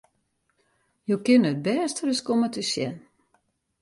Jo kinne it bêste ris komme te sjen!